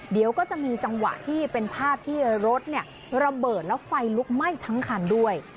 เดี๋ยวก็จะมีจังหวะที่เป็นภาพที่รถระเบิดแล้วไฟลุกไหม้ทั้งคันด้วย